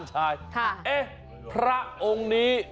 ชายพระองค์นี้